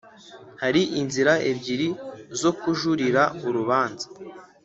Hari inzira ebyiri zo kujurira urubanza